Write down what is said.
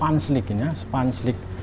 ini kan sutra